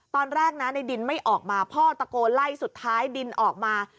ตอนแรกนะในดินไม่ออกมาพ่อตะโกนไล่สุดท้ายดินออกมา